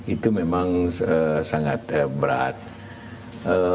itu memang sangat berbahaya